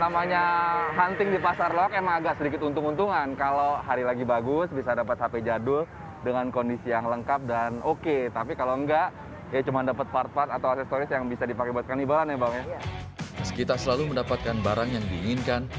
meskipun selalu mendapatkan barang yang diinginkan